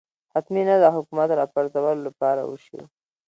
حتمي نه ده حکومت راپرځولو لپاره وشي